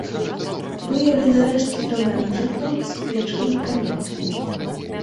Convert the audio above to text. Выяўлены рэшткі драўляных жытлаў з печкамі-каменкамі.